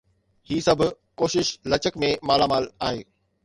هي سڀ ڪوشش لچڪ ۾ مالا مال آهي.